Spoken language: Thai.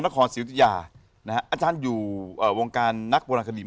ขอบคุณนะครับ